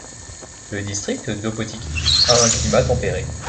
Le district d'Opotiki a un climat tempéré.